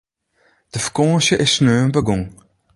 De fakânsje is sneon begûn.